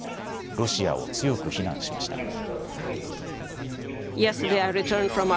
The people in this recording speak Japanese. ロシアを強く非難しました。